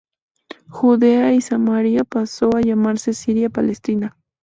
Judea y Samaria pasó a llamarse Siria Palestina.